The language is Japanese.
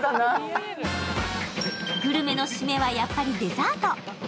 グルメの締めはやっぱりデザート。